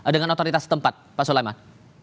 dengan otoritas tempat pak sulaiman